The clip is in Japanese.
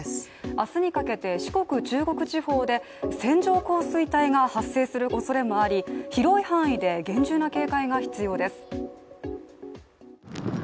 明日にかけて四国・中国地方で線状降水帯が発生するおそれもあり広い範囲で厳重な警戒が必要です。